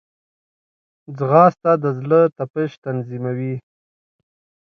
ځغاسته د زړه تپش تنظیموي